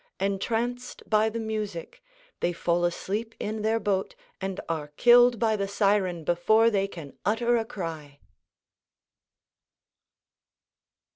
Entranced by the music, they fall asleep in their boat, and are killed by the siren before they can utter a cry.